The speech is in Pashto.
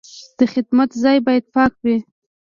د خدمت ځای باید پاک وي.